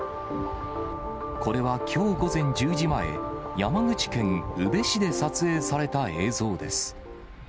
これはきょう午前１０時前、山口県宇部市で撮影された映像です。